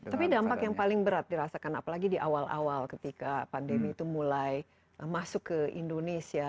tapi dampak yang paling berat dirasakan apalagi di awal awal ketika pandemi itu mulai masuk ke indonesia